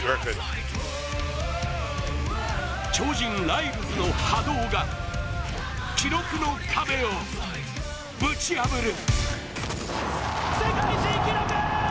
超人ライルズの波動が記録の壁をぶち破る。